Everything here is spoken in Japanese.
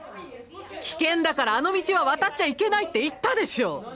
危険だからあの道は渡っちゃいけないって言ったでしょう！